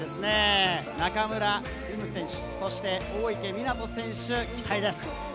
中村輪夢選手、そして大池水杜選手、期待です。